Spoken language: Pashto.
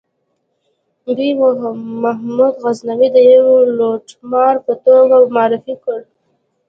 دوی محمود غزنوي د یوه لوټمار په توګه معرفي کړ.